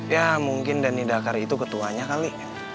ya mungkin dani dakar itu ketuanya kali